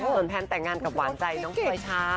ส่วนแพลนแต่งงานกับหวานใจน้องปลอยชา